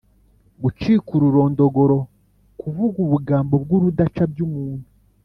gucika ururondogoro: kuvuga ubugambo bw’urudaca by’umuntu